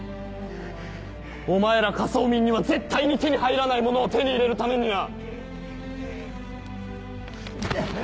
お前ら下層民には絶対に手に入らないものを手に入れるためにな！